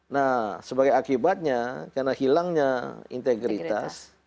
nah sebagai akibatnya karena hilangnya integritas